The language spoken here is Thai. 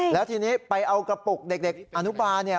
แล้วทีนี้ไปเอากระปุกเด็กอนุบาลเนี่ย